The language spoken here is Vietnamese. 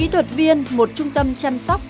thuật viên một trung tâm chăm sóc